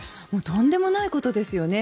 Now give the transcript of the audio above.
とんでもないことですよね。